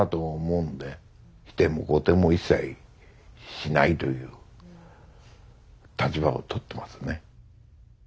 否定も肯定も一切しないという立場をとってますね。